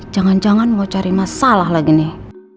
jangan jangan mau cari masalah lagi nih